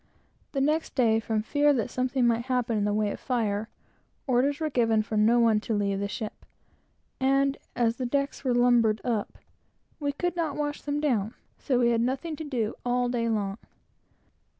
The next day, from fear that something might happen, orders were given for no one to leave the ship, and, as the decks were lumbered up with everything, we could not wash them down, so we had nothing to do, all day long.